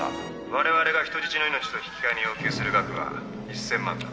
我々が人質の命と引き替えに要求する額は１，０００万だ。